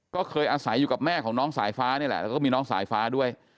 ก็เคยอาศัยอยู่กับแม่ของน้องสายฟ้านี่แหละแล้วก็มีน้องสายฟ้าด้วย